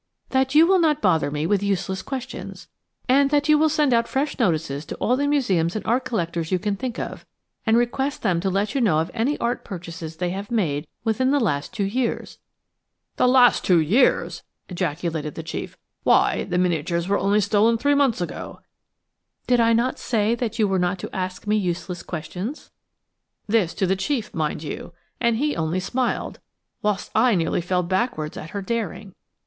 "That you will not bother me with useless questions, and that you will send out fresh notices to all the museums and art collectors you can think of, and request them to let you know of any art purchases they may have made within the last two years." "The last two years!" ejaculated the chief, "why, the miniatures were only stolen three months ago." "Did I not say that you were not to ask me useless questions?" This to the chief, mind you; and he only smiled, whilst I nearly fell backwards at her daring.